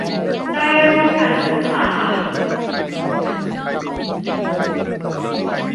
ได้ร่วมกันศึกษา